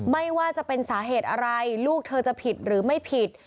ไม่ว่าจะเป็นสาเหตุอะไรลูกเธอจะผิดหรือไม่ผิด